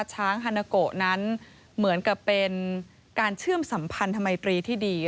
ฮานาโกะนั้นเหมือนกับเป็นการเชื่อมสัมพันธมิตรีที่ดี